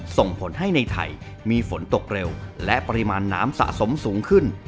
ส่งผลให้ในไทยมีฝนตกเร็วและปริมาณน้ำสะสมสูงขึ้น